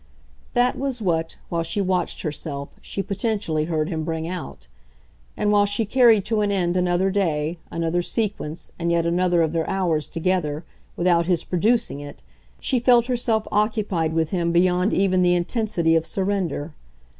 That was what, while she watched herself, she potentially heard him bring out; and while she carried to an end another day, another sequence and yet another of their hours together, without his producing it, she felt herself occupied with him beyond even the intensity of surrender.